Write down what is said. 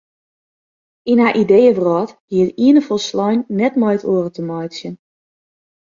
Yn har ideeëwrâld hie it iene folslein net met it oare te meitsjen.